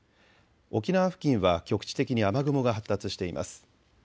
沖縄付近は局地的に雨雲が発達しています。